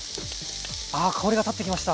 あ香りが立ってきました。